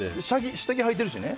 下着はいてるしね。